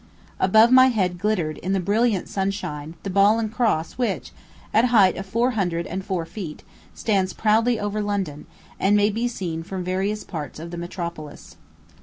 Above my head glittered, in the brilliant sunshine, the ball and cross which, at a height of four hundred and four feet, stands proudly over London, and may be seen from various parts of the metropolis.